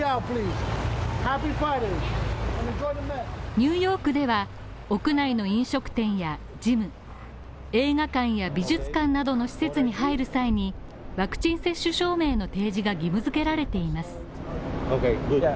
ニューヨークでは、屋内の飲食店やジム、映画館や美術館などの施設に入る際にワクチン接種証明の提示が義務付けられています。